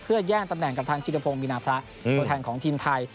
เพื่อย่างตำแหน่งกับทางชินโปรงวินาพระตัวแข่งของทีมไทย